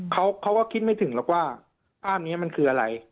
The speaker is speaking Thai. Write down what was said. เขาก็คิดไม่ถึงหรอกว่าภาพนี้มันคืออะไร